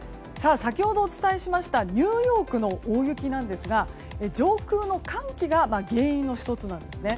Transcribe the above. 先ほどお伝えしましたニューヨークの大雪なんですが上空の寒気が原因の１つなんですね。